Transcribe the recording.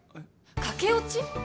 駆け落ち？